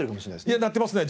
いやなってますね